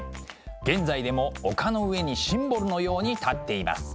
現在でも丘の上にシンボルのように立っています。